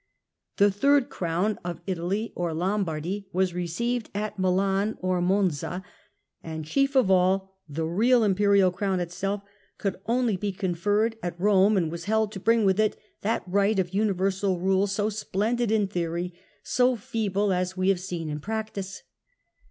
The third crown of Italy or Lombardy was received at Milan or Monza, and, chief of all, the real Imperial crown itself could only be con 4 THE END OF THE MIDDLE AGE f erred at Rome and was held to bring with it that right of universal rule so splendid in theory, so feeble, as we have seen, in practice.